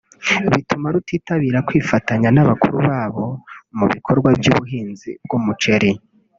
bituma rutitabira kwifatanya na bakuru babo mu bikorwa by’ubuhinzi bw’umuceri